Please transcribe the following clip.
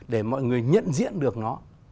để mọi người nhận diện được nó